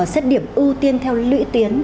xét điểm ưu tiên theo lưỡi tuyến